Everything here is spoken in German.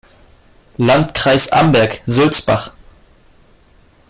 Landkreis Amberg-Sulzbach